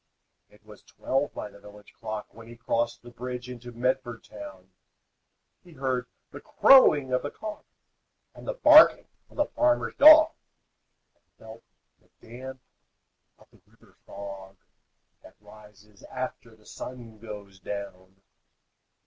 It was twelve by the village clock When he crossed the bridge into Medford town. He heard the crowing of the cock, And the barking of the farmer's dog, And felt the damp of the river fog, That rises after the sun goes down.